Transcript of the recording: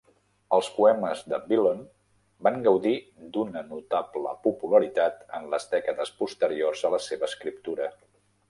Els poemes de Villon van gaudir d'una notable popularitat en les dècades posteriors a la seva escriptura.